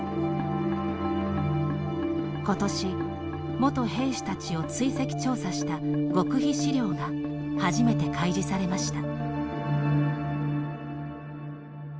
ことし元兵士たちを追跡調査した極秘資料が初めて開示されました。